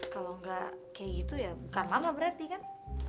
kalau nggak kayak gitu ya bukan lama berarti kan